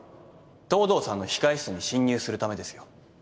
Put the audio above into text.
藤堂さんの控室に侵入するためですよ。